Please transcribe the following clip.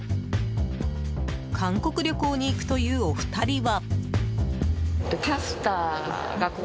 韓国旅行に行くというお二人は。